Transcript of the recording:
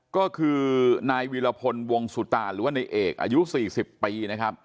ก็คือนายวิรพลวงสุตาลหรือว่านายเอกอายุ๔๐ปี